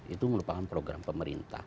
itu merupakan program pemerintah